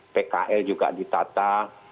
pkl juga ditata